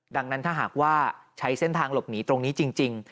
ดังนั้นถ้าหากว่าใช้เส้นทางหลบหนีตรงนี้จริง